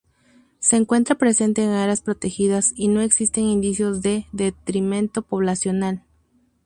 Se encuentra presente en áreas protegidas y no existen indicios de detrimento poblacional.